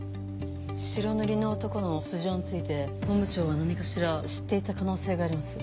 白塗りの男の素性について本部長は何かしら知っていた可能性があります。